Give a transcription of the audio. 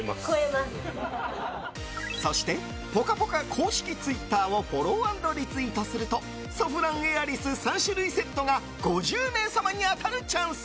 そして「ぽかぽか」公式ツイッターをフォロー＆リツイートするとソフランエアリス３種類セットが５０名様に当たるチャンス。